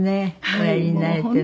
おやりになれてね。